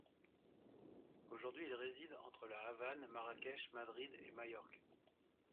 Aujourd'hui il réside entre La Havane, Marrakech, Madrid et Majorque.